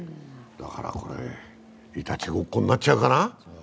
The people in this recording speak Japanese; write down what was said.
これ、いたちごっこになっちゃうかな。